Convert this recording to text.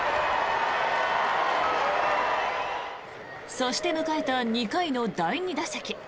そして迎えた２回の第２打席。